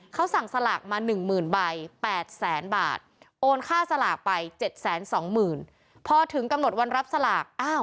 เขาสั่งสลากมา๑๐๐๐ใบ๘แสนบาทโอนค่าสลากไป๗๒๐๐๐พอถึงกำหนดวันรับสลาก